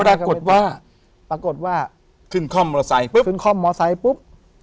ปรากฏว่าปรากฏว่าขึ้นคล่อมมอเตอร์ไซค์ปุ๊บขึ้นคล่อมมอไซค์ปุ๊บ